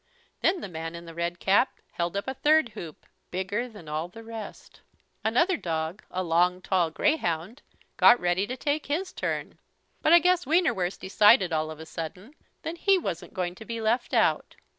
Then the man in the red cap held up a third hoop bigger than all the rest. Another dog, a long tall greyhound, got ready to take his turn, but I guess Wienerwurst decided all of a sudden that he wasn't going to be left out.